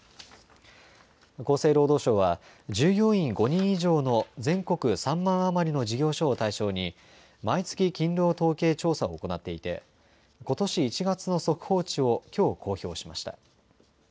厚生労働省は従業員５人以上の全国３万余りの事業所を対象に毎月勤労統計調査を行っていてことし１月の速報値をきょう公表しました。